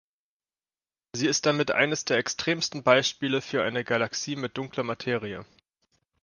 Sie ist damit eines der extremsten Beispiele für eine Galaxie mit dunkler Materie.